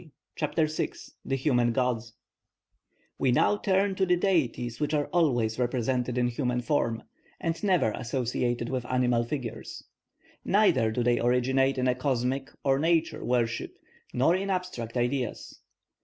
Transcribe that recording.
CHAPTER VI THE HUMAN GODS We now turn to the deities which are always represented in human form, and never associated with animal figures; neither do they originate in a cosmic or nature worship, nor in abstract ideas.